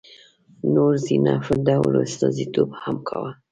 نورو ذینفع ډلو استازیتوب هم کاوه.